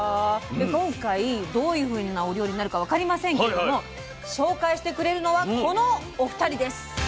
で今回どういうふうなお料理になるか分かりませんけれども紹介してくれるのはこのお二人です。